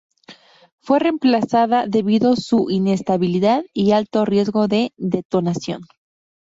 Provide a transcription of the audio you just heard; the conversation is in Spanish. Fue reemplazada debido su inestabilidad y alto riesgo de detonación.